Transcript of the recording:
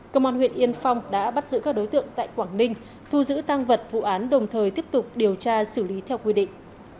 công an huyện yên phong đã bắt giữ các đối tượng tại quảng ninh thu giữ tăng vật vụ án đồng thời tiếp tục điều tra xử lý theo quy định